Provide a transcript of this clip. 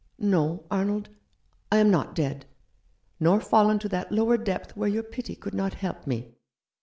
No, Arnold, I am not dead, nor fallen to that lower depth where your pity could not help me.